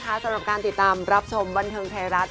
สำหรับการติดตามรับชมบันเทิงไทยรัฐ